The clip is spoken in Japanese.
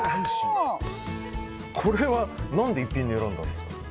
これは何で逸品に選んだんですか？